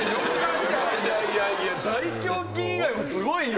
いやいやいや大胸筋以外もすごいよ！